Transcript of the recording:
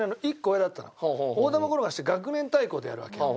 大玉転がしって学年対抗でやるわけよ。